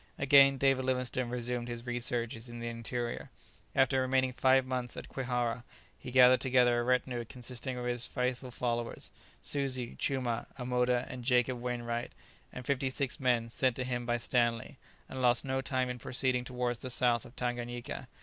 Again David Livingstone resumed his researches in the interior. After remaining five months at Kwihara he gathered together a retinue consisting of his faithful followers Suzi, Chumah, Amoda, and Jacob Wainwright, and fifty six men sent to him by Stanley, and lost no time in proceeding towards the south of Tanganyika.